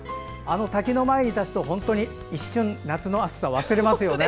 滝の前に立つと本当に一瞬、夏の暑さを忘れますよね。